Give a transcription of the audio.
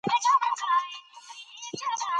د ده لیکنې زموږ مشعل دي.